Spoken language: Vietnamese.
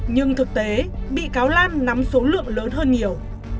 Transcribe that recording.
nhưng thực tế bị cáo lan nắm số lượng lớn hơn nhiều